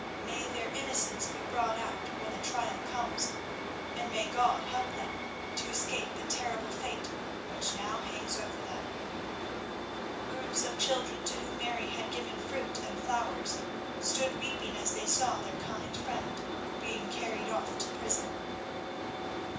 May their innocence be brought out when the trial comes, and may God help them to escape the terrible fate which now hangs over them." Groups of children, to whom Mary had given fruit and flowers, stood weeping as they saw their kind friend being carried off to prison.